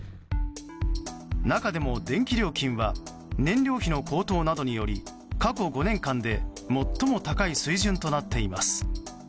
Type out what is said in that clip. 中でも電気料金は燃料費の高騰などにより過去５年間で最も高い水準となっています。